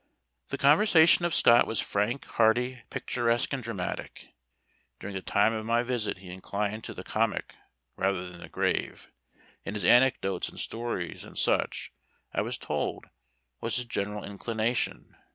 The conversation of Scott was frank, hearty, picturesque, and dramatic. During the time of my visit he inclined to the comic rather than the grave, in his anecdotes and stories, and such, I was told, was his general inclination.